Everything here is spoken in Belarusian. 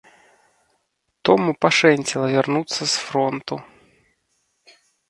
Тому пашэнціла вярнуцца з фронту.